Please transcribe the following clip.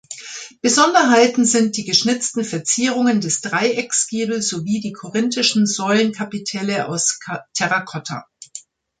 Besonderheiten sind die geschnitzten Verzierungen des Dreiecksgiebel sowie die korinthischen Säulenkapitelle aus Terrakotta.